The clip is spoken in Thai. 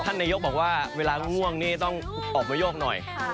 นายกบอกว่าเวลาง่วงนี่ต้องออกมาโยกหน่อย